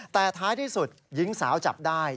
แต่ท้ายที่สุดหญิงสาวจับได้